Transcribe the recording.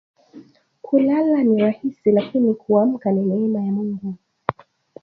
Kulala ni raisi lakini kulamuka ni neema ya Mungu